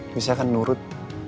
bisa kan nurut